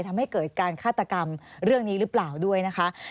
ทำให้เกิดการฆาตกรรมเรื่องนี้หรือเปล่าด้วยนะคะ